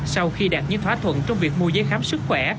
sau khi đạt những thỏa thuận trong việc mua giấy khám sức khỏe